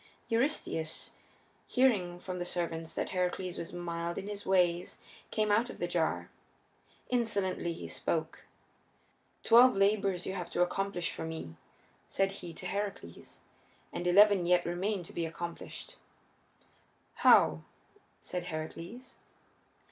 Eurystheus, hearing from the servants that Heracles was mild in his ways, came out of the jar. Insolently he spoke. "Twelve labors you have to accomplish for me," said he to Heracles, "and eleven yet remain to be accomplished." "How?" said Heracles.